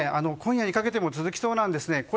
今夜にかけても続きそうなんですね。